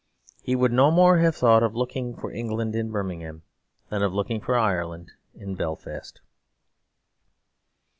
He would no more have thought of looking for England in Birmingham than of looking for Ireland in Belfast.